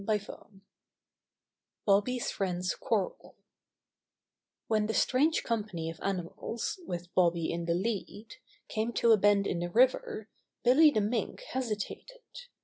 STORY xir Bobby's Friends Quarrel When the strange company of animals, with Bobby in the lead, came to a bend in the river, Billy the Mink hesitated.